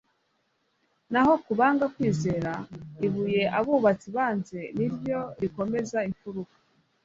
naho ku banga kwizera, ibuye abubatsi banze ni ryo rikomeza imfunika,